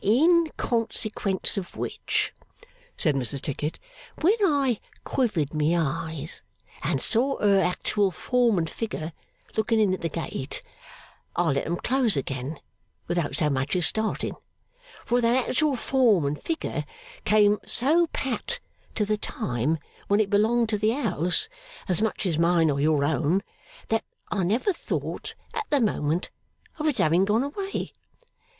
'In consequence of which,' said Mrs Tickit, 'when I quivered my eyes and saw her actual form and figure looking in at the gate, I let them close again without so much as starting, for that actual form and figure came so pat to the time when it belonged to the house as much as mine or your own, that I never thought at the moment of its having gone away.